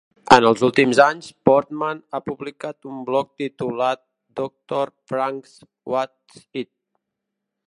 En els últims anys, Portman ha publicat un blog titulat Doctor Frank's What's-It.